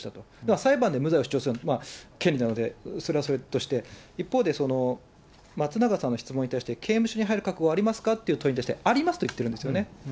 裁判で無罪を主張するのは権利なので、それはそれとして、一方で、松永さんの質問に対して、刑務所に入る覚悟はありますかという問いに対して、ありますと言ってるんですよね。